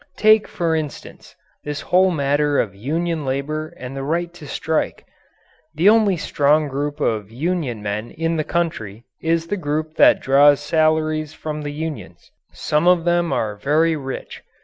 Take, for instance, this whole matter of union labour and the right to strike. The only strong group of union men in the country is the group that draws salaries from the unions. Some of them are very rich.